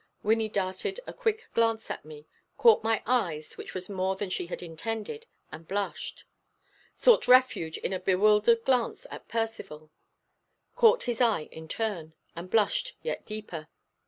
Wynnie darted a quick glance at me, caught my eyes, which was more than she had intended, and blushed; sought refuge in a bewildered glance at Percivale, caught his eye in turn, and blushed yet deeper.